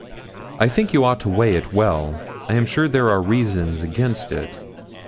I think you ought to weigh it well I am sure there are reasons against it.